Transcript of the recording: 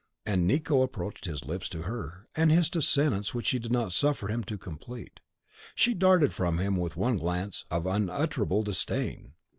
And Nicot approached his lips to her, and hissed a sentence which she did not suffer him to complete. She darted from him with one glance of unutterable disdain.